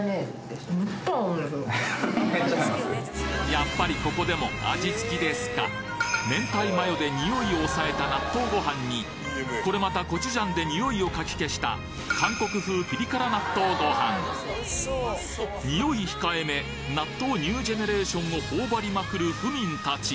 やっぱりここでも味付きですか明太マヨでにおいを抑えた納豆ご飯にこれまたコチュジャンでにおいをかき消した韓国風ピリ辛納豆ご飯におい控えめ納豆ニュージェネレーションを頬張りまくる府民たち